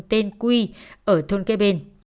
tên quy ở thôn kế bên